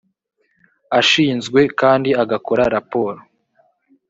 ashinzwe kandi agakora raporo